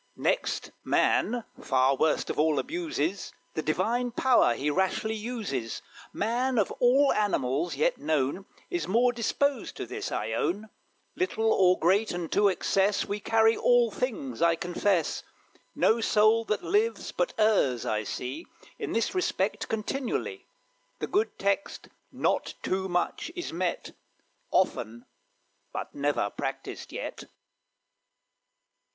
Next man far worst of all abuses The power Divine he rashly uses. Man, of all animals yet known, Is more disposed to this, I own; Little or great, unto excess We carry all things, I confess; No soul that lives but errs, I see, In this respect continually, The good text, "Not too much," is met Often, but never practised yet.